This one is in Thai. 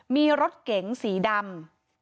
มีรถเก๋งสีดำ